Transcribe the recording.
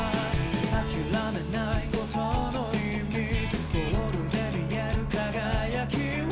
「諦めないことの意味」「ゴールで見える輝きを」